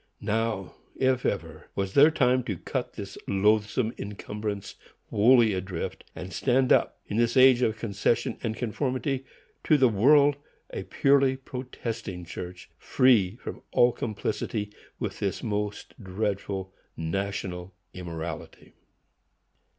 Now, if ever, was their time to cut this loathsome incumbrance wholly adrift, and stand up, in this age of concession and conformity to the world, a purely protesting church, free from all complicity with this most dreadful national immorality.